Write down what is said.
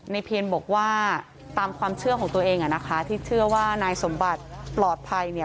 เพียนบอกว่าตามความเชื่อของตัวเองอ่ะนะคะที่เชื่อว่านายสมบัติปลอดภัยเนี่ย